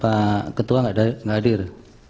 pak ketua tidak hadir